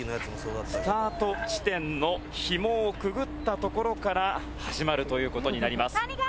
スタート地点のひもをくぐったところから始まるという事になります。